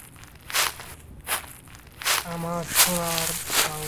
অ্যালবামটি বাণিজ্যিকভাবে সাফল্য অর্জন করে এবং বেশ কয়েকটি দেশে শীর্ষ দশে স্থান করে নেয়।